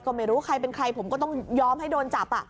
ก็ไม่รู้ใครเป็นใครผมก็ต้องยอมให้โดนจับ